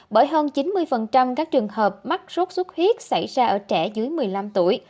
bởi hơn chín mươi các trường hợp mắc sốt xuất huyết xảy ra ở trẻ dưới một mươi năm tuổi